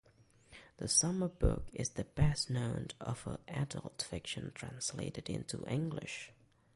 The Summer Book is the best known of her adult fiction translated into English.